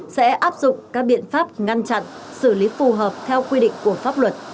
sẽ áp dụng các biện pháp ngăn chặn xử lý phù hợp theo quy định của pháp luật